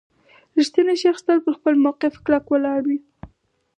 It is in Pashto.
• رښتینی شخص تل پر خپل موقف کلک ولاړ وي.